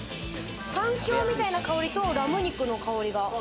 山椒みたいな香りとラム肉の香りが。